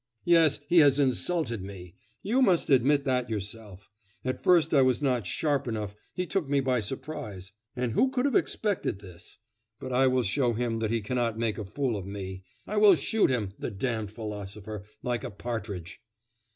'Yes! he has insulted me. You must admit that yourself. At first I was not sharp enough; he took me by surprise; and who could have expected this? But I will show him that he cannot make a fool of me. ... I will shoot him, the damned philosopher, like a partridge.